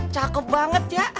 cakep banget ya